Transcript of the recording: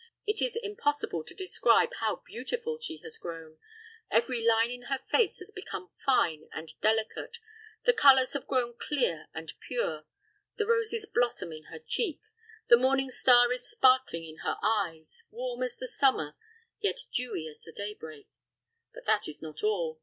It is impossible to describe how beautiful she has grown. Every line in her face has become fine and delicate. The colors have grown clear and pure; the roses blossom in her cheek; the morning star is sparkling in her eyes; warm as the summer, yet dewy as the daybreak. But that is not all.